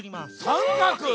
さんかく？